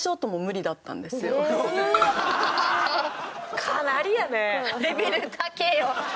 私かなりやね。